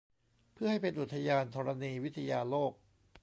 เพื่อให้เป็นอุทยานธรณีวิทยาโลก